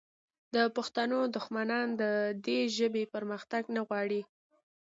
د پښتنو دښمنان د دې ژبې پرمختګ نه غواړي